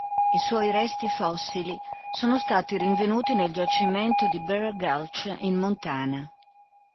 I suoi resti fossili sono stati rinvenuti nel giacimento di Bear Gulch, in Montana.